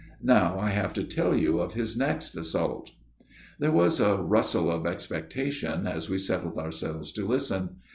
Now I have to tell you of his next assault." There was a rustle of expectation as we settled ourselves to listen.